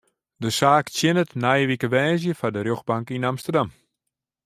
De saak tsjinnet nije wike woansdei foar de rjochtbank yn Amsterdam.